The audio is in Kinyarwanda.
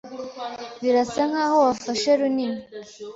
Birasa nkaho wafashe runini.